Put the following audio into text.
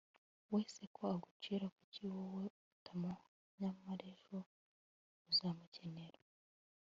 we se ko agucira kuki wowe utamuha, nyamara ejo uzamukenera